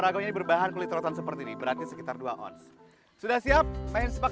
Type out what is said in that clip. ragonya berbahan kulit rotan seperti ini beratnya sekitar dua ons sudah siap main sipak